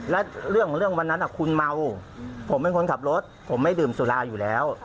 และเรื่องวันนั้นคุณเมาผมเป็นคนขับรถผมไม่ดื่มสุราอยู่แล้ว